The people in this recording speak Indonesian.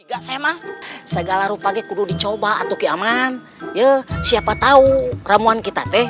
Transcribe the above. enggak sama segala rupa gitu dicoba atau keamanan ya siapa tahu ramuan kita teh